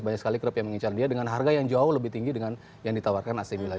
banyak sekali klub yang mengincar dia dengan harga yang jauh lebih tinggi dengan yang ditawarkan ac milla